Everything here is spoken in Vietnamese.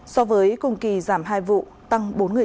so với cùng kỳ giảm hai vụ tăng bốn người